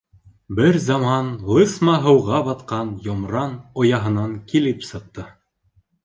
Бер заман лысма һыуға батҡан Йомран ояһынан килеп сыҡты.